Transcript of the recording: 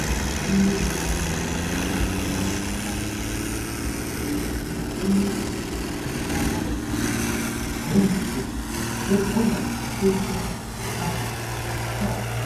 The refuge is wide and encompassing of the lower of the White River.